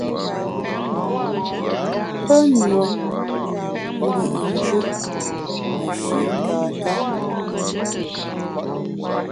Pe nue mbit njù meshi’ tata.